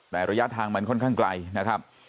แต่ระยะทางมันค่อนข้างไกลนะครับ